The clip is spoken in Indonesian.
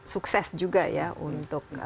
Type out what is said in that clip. sukses juga ya untuk